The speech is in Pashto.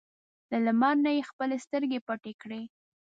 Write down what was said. له لمر نه یې خپلې سترګې پټې کړې.